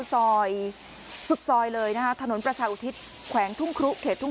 ซอยสุกซอยเลยนะคะถนนประชาอุทธิศแขกทุ่มครุ่ง